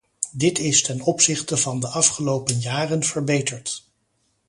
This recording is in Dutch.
Dit is ten opzichte van de afgelopen jaren verbeterd.